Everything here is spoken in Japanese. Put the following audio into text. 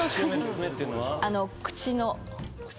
口の。